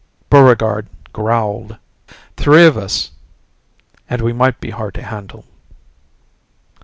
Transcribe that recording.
Buregarde growled, "Three of us. And we might be hard to handle."